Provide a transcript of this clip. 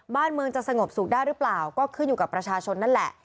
บ้านเมืองจะสงบสุขได้หรือเปล่าก็ขึ้นอยู่กับประชาชนนั่นแหละ